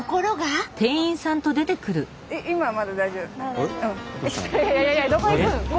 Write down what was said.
今はまだ大丈夫？